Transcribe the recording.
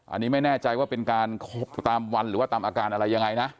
อันนี้ไม่แน่ใจว่าเป็นการตามวันหรือว่าตามอาการอะไรยังไงนะ